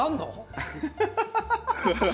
ハハハハ！